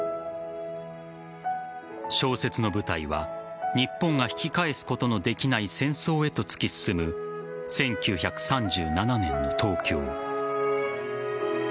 小説の舞台は日本が引き返すことのできない戦争へと突き進む１９３７年の東京。